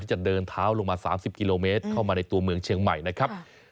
จะเดินเท้าลงมา๓๐กิโลเมตรเข้ามาในตัวเมืองเชียงใหม่นะครับ